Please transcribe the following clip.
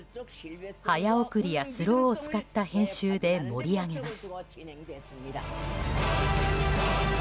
早送りやスローを使った編集で盛り上げます。